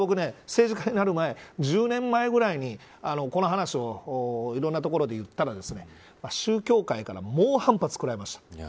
政治家になる１０年前ぐらいにこの話をいろんな所で言ったら宗教界から猛反発をくらいました。